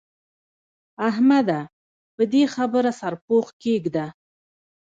احمده! پر دې خبره سرپوښ کېږده.